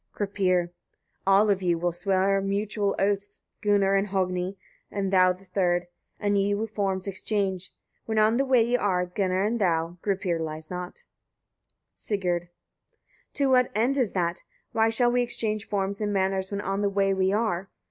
Gripir. 37. All of you will swear mutual oaths, Gunnar, and Hogni, and thou the third; and ye will forms exchange, when on the way ye are, Gunnar and thou: Gripir lies not. Sigurd. 38. To what end is that? why shall we exchange forms and manners, when on the way we are?